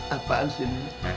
apaan sih ini